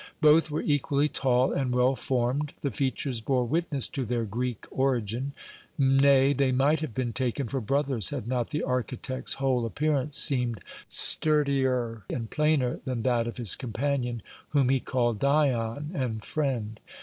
Both were equally tall and well formed; the features bore witness to their Greek origin; nay, they might have been taken for brothers, had not the architect's whole appearance seemed sturdier and plainer than that of his companion, whom he called "Dion" and friend.